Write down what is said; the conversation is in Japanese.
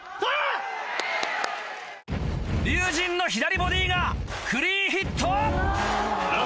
龍心の左ボディーがクリーンヒット！